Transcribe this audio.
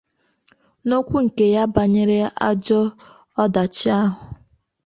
N'okwu nke ya banyere ajọ ọdachi ahụ